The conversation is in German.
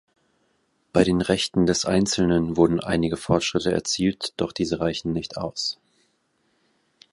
Bei den Rechten des einzelnen wurden einige Fortschritte erzielt, doch diese reichen nicht aus.